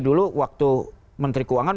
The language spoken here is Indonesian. dulu waktu menteri keuangan